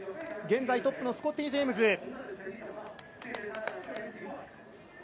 現在、トップのスコッティ・ジェームズ。